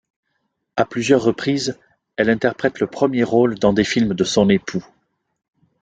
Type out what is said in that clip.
À plusieurs reprises, elle interprète le premier rôle dans des films de son époux.